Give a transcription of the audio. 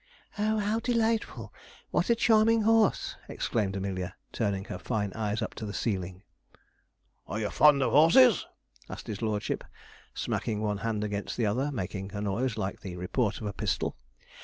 'Oh, how delightful! what a charming horse!' exclaimed Amelia, turning her fine eyes up to the ceiling. 'Are you fond of horses?' asked his lordship, smacking one hand against the other, making a noise like the report of a pistol.